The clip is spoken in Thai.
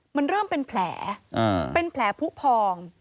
มันเริ่มเป็นแผลเป็นแผลผู้พอง